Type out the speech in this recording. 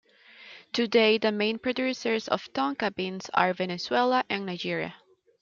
Today, the main producers of tonka beans are Venezuela and Nigeria.